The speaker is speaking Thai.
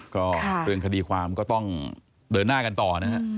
ก็เรื่องคดีความก็ต้องเดินหน้ากันต่อนะฮะ